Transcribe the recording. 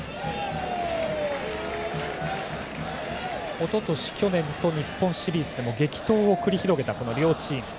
おととし、去年と日本シリーズでも激闘を繰り広げた両チーム。